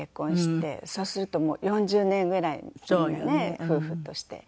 そうするともう４０年ぐらいみんなね夫婦として。